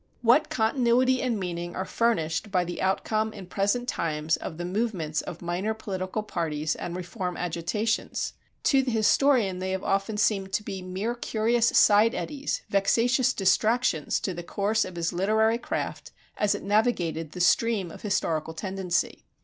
What continuity and meaning are furnished by the outcome in present times of the movements of minor political parties and reform agitations! To the historian they have often seemed to be mere curious side eddies, vexatious distractions to the course of his literary craft as it navigated the stream of historical tendency.